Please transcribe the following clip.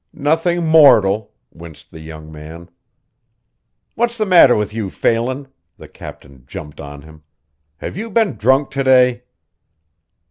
"Nothing mortal," winced the young man. "What's the matter with you, Phelan," the captain jumped on him. "Have you been drunk to day?"